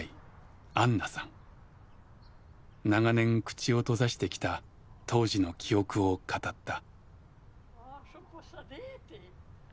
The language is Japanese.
長年口を閉ざしてきた当時の記憶を語った。